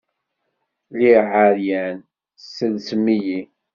Lliɣ ɛeryan, tesselsem-iyi.